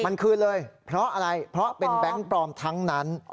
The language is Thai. มันคืนเลยเพราะอะไรเพราะเป็นแบงค์ปลอมทั้งนั้น